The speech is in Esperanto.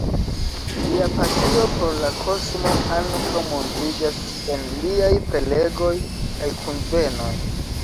Lia pasio por la kosmo ankaŭ montriĝas en liaj prelegoj kaj kunvenoj.